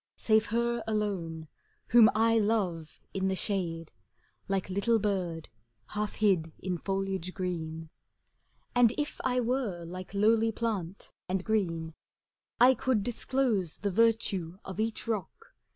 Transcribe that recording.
Save her alone, whom I love in the shade. Like little bird half hid in foliage green. And if I were like lowly plant and green, I could disclose the virtue of each rock.